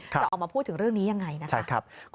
จะออกมาพูดถึงเรื่องนี้ยังไงนะครับ